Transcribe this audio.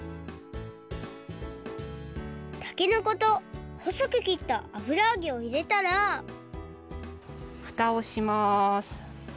たけのことほそくきったあぶらあげをいれたらふたをします。